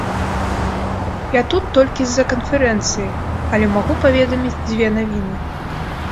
Я тут толькі з-за канферэнцыі, але магу паведаміць дзве навіны.